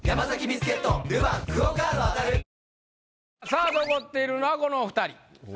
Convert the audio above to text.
さあ残っているのはこのお二人。